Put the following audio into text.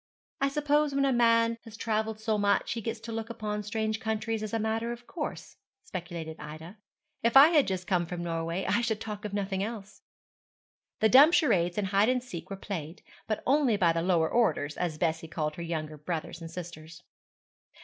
'I suppose when a man has travelled so much he gets to look upon strange countries as a matter of course,' speculated Ida. 'If I had just come from Norway, I should talk of nothing else.' The dumb charades and hide and seek were played, but only by the lower orders, as Bessie called her younger brothers and sisters.